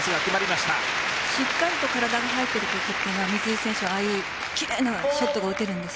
しっかりと体が入っているときは水井選手は奇麗なショットが打てるんです。